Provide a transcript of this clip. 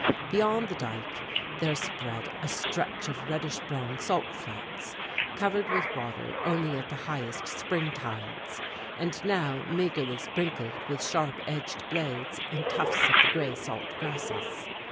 Beyond the dike there spread a stretch of reddish brown salt flats, covered with water only at the highest spring tides, and now meagrely sprinkled with sharp edged blades and tufts of the gray salt grasses.